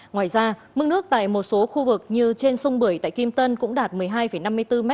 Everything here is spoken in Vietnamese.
ngoài ra mức nước tại một số khu vực như trên sông bưởi tại kim tân cũng đạt một mươi hai năm mươi bốn m